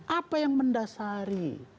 apa yang mendasari